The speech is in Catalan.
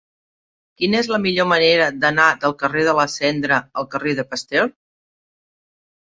Quina és la millor manera d'anar del carrer de la Cendra al carrer de Pasteur?